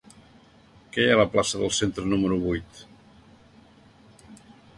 Què hi ha a la plaça del Centre número vuit?